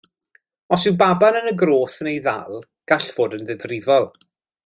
Os yw baban yn y groth yn ei ddal, gall fod yn ddifrifol.